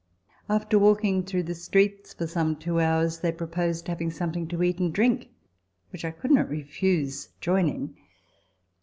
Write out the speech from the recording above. After walking through the streets for some two hours, they proposed having something to eat and drink, which I could not refuse joining.